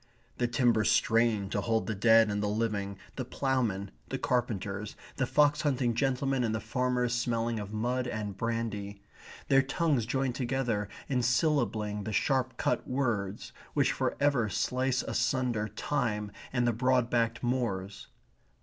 The timbers strain to hold the dead and the living, the ploughmen, the carpenters, the fox hunting gentlemen and the farmers smelling of mud and brandy. Their tongues join together in syllabling the sharp cut words, which for ever slice asunder time and the broad backed moors.